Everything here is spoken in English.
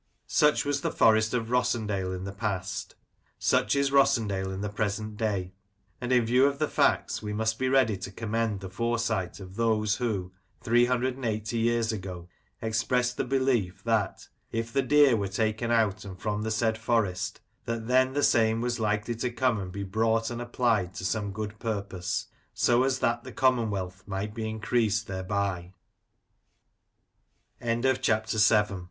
Such was the Forest of Rossendale in the past, such is Rossendale in the present day ; and, in^ view of the facts, we must be ready to commend the foresight of those who, three hundred and eighty years ago, expressed the belief, that If the Deer were taken out and from the said Forest, that then the same was likely to come and be brought and applied to some good purpose, so as that the commonwea